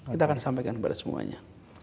kita akan sampaikan kepada semuanya